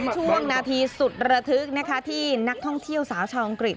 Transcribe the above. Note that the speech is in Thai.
ช่วงนาทีสุดระทึกที่นักท่องเที่ยวสาวชาวอังกฤษ